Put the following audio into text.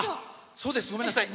そうです、ごめんなさい。